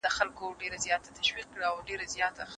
کليشه يي فکرونه د نوښتګرو ځوانانو د پرمختګ مخه نيسي.